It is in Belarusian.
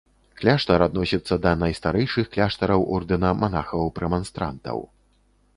Кляштар адносіцца да найстарэйшых кляштараў ордэна манахаў-прэманстрантаў.